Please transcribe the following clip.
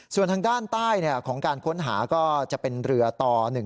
ส่วนทางด้านใต้ของการค้นหาก็จะเป็นเรือต่อ๑๒